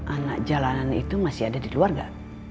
anak jalanan itu masih ada di luar gak